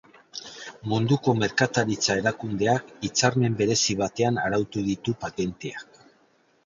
Munduko Merkataritza Erakundeak hitzarmen berezi batean arautu ditu patenteak.